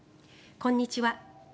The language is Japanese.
こんにちは。